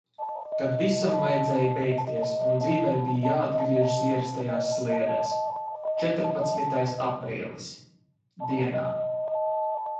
Kad visam vajadzēja beigties un dzīvei bija jāatgriežas ierastajās sliedēs – četrpadsmitais aprīlis. Dienā.